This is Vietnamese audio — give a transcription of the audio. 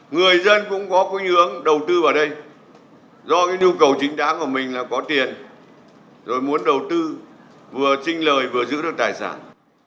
người dân cũng có cung ứng đầu tư vào đây do cái nhu cầu chính đáng của mình là có tiền rồi muốn đầu tư vừa xin lời vừa giữ đồng